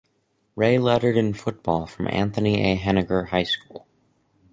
Ray lettered in football from Anthony A Henninger High School.